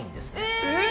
えっ！